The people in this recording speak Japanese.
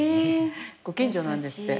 ご近所なんですって。